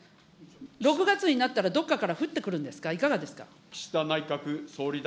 ６月になったら、どっかから降ってくるんですか、いかがですか。